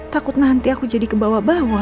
takut nanti aku jadi kebawa bangun